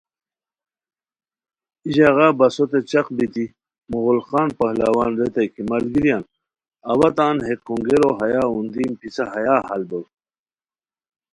ای ژاغا بسوتے چق بیتی مغل خان پہلوان ریتائے کی ملگریان اوا تان ہے کھونگیرو ہیارا اوندیم، پِسہ ہیا ہال بور